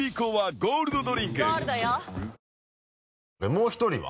もう１人は？